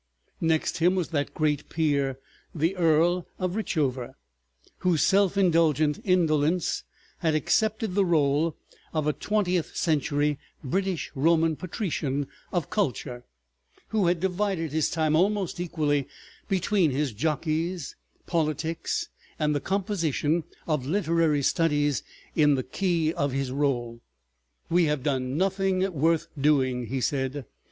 Next him was that great peer, the Earl of Richover, whose self indulgent indolence had accepted the rôle of a twentieth century British Roman patrician of culture, who had divided his time almost equally between his jockeys, politics, and the composition of literary studies in the key of his rôle. "We have done nothing worth doing," he said.